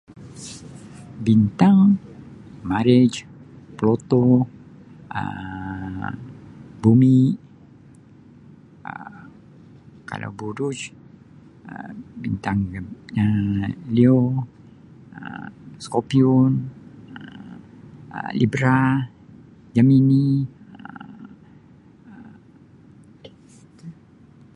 Bintang marikh, pluto Um bumi Um kalau buruj Um bintang yang Um leo Um scorpio Um libra, gemini Um.